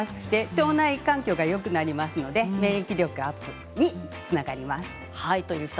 腸内環境がよくなりますので免疫力アップにつながります。